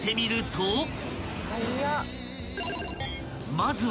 ［まずは］